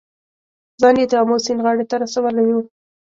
ځان یې د آمو سیند غاړې ته رسولی و.